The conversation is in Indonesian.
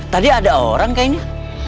tadi ada orang kayaknya